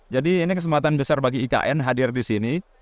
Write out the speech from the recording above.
jadi ini kesempatan besar bagi ikn hadir di sini